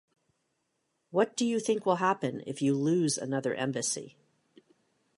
What do you think will happen if you lose another embassy?